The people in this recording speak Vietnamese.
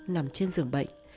nằm trên giường bệnh